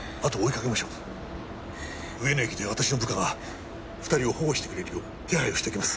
上野駅で私の部下が２人を保護してくれるよう手配をしておきます。